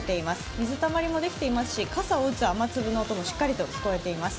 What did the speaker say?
水たまりもできていますし傘を打つ雨粒の音もしっかり聞こえています。